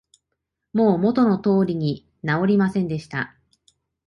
もう元の通りに直りませんでした